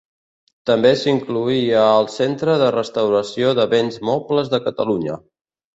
També s'inclouria el Centre de Restauració de Béns Mobles de Catalunya.